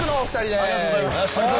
ありがとうございます。